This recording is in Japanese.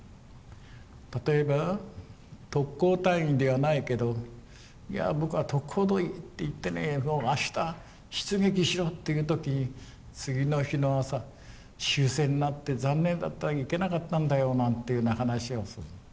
例えば特攻隊員ではないけどいや僕は特攻行ってねもうあした出撃しろっていう時に次の日の朝終戦になって残念だった行けなかったんだよなんていうような話をする。